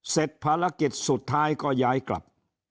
เสร็จภารกิจสุดท้ายก็ย้ายกลับ